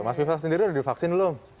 mas bifas sendiri udah divaksin belum